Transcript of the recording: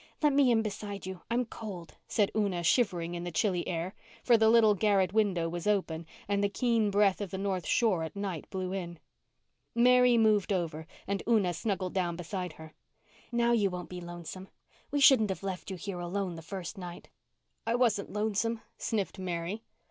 "Let me in beside you. I'm cold," said Una shivering in the chilly air, for the little garret window was open and the keen breath of the north shore at night blew in. Mary moved over and Una snuggled down beside her. "Now you won't be lonesome. We shouldn't have left you here alone the first night." "I wasn't lonesome," sniffed Mary.